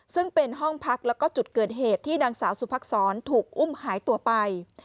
ซึ่งเป็นห้องพักแล้วก็จุดเกิดเหตุที่นางสาวสุภักษรถูกอุ้มหายตัวไป